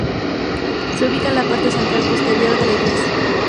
Se ubica en la parte central posterior de la iglesia.